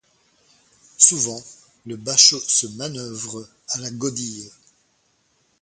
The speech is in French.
Souvent le bachot se manœuvre à la godille.